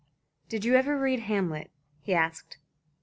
"Did you ever read 'Hamlet'?" he asked.